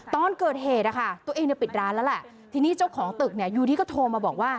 ตอนเกิดเหตุนะคะตัวเองเนี่ยปิดร้านแล้วแหละทีนี้เจ้าของตึกเนี่ยอยู่ดีก็โทรมาบอกว่า